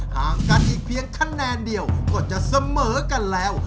ห่างกันอีกเพียงคะแนนเดียวก็จะเสมอกันแล้ว